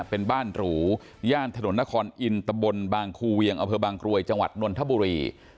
เป็นบ้านหรูย่านถนนนครอินตะบลบางครูเวียงอบังกรวยจนวลธบุรี